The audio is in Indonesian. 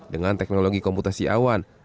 dengan teknologi komputasi awan